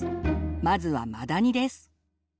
まずはマダニです。